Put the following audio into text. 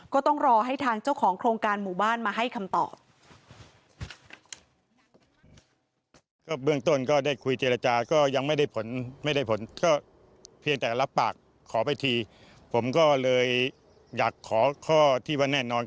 ก็ต้องรอให้ทางเจ้าของโครงการหมู่บ้านมาให้คำตอบ